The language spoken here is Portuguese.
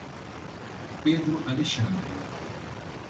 Pedro Alexandre